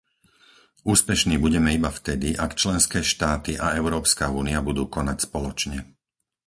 Úspešní budeme iba vtedy, ak členské štáty a Európska únia budú konať spoločne.